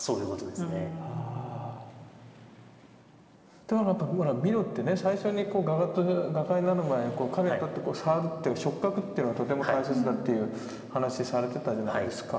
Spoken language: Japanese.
でもなんかほらミロってね最初に画家になる前彼にとって触るっていうか触覚っていうのはとても大切だっていう話されてたじゃないですか。